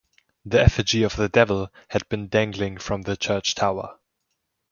The effigy of the devil had been dangling from the church tower.